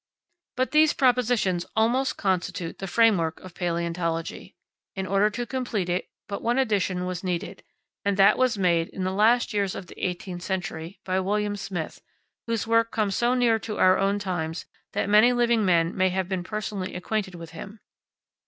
But these propositions almost constitute the frame work of palaeontology. In order to complete it but one addition was needed, and that was made, in the last years of the eighteenth century, by William Smith, whose work comes so near our own times that many living men may have been personally acquainted with him.